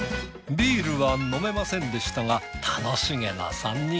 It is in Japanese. ビールは飲めませんでしたが楽しげな３人。